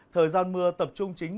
thời gian mưa tập trung chính